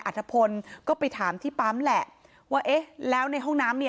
อธพลก็ไปถามที่ปั๊มแหละว่าเอ๊ะแล้วในห้องน้ำมี